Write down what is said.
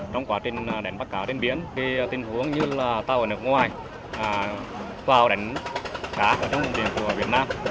trong quá trình đánh bắt cá trên biển thì tình huống như là tàu ở nước ngoài vào đánh cá ở trong vùng biển của việt nam